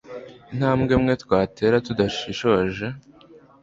intambwe imwe twatera tudashishoje